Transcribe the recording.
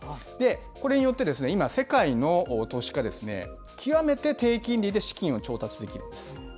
これによって、今、世界の投資家が極めて低金利で資金を調達できるんです。